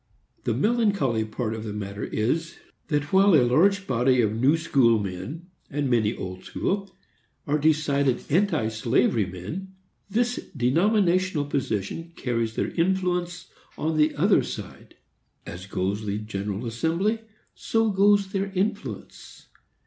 The melancholy part of the matter is, that while a large body of New School men, and many Old School, are decided anti slavery men, this denominational position carries their influence on the other side. As goes the General Assembly, so goes their influence.